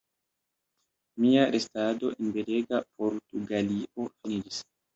Mia restado en belega Portugalio finiĝis.